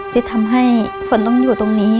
ที่ทำให้ฝนต้องอยู่ตรงนี้